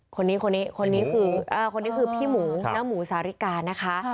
คนนี้คือพี่หมูน้าหมูสาริกานะคะ